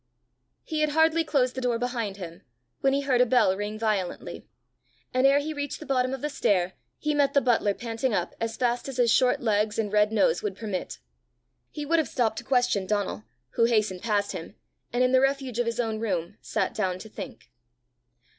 He had hardly closed the door behind him, when he heard a bell ring violently; and ere he reached the bottom of the stair, he met the butler panting up as fast as his short legs and red nose would permit. He would have stopped to question Donal, who hastened past him, and in the refuge of his own room, sat down to think.